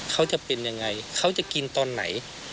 เขาจะเป็นยังไงเขาจะกินตอนไหน